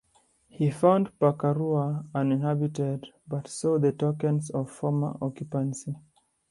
He found Pukarua uninhabited, but saw the tokens of former occupancy.